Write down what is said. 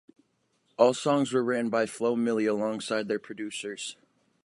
All songs were written by Flo Milli alongside their producers.